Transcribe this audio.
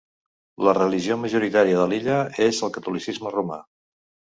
La religió majoritària de l'illa és el catolicisme romà.